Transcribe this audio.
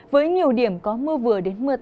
với nhiều điểm có mưa vừa đến mưa to